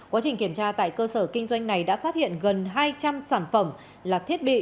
quá trình kiểm tra tại cơ sở kinh doanh này đã phát hiện gần hai trăm linh sản phẩm là thiết bị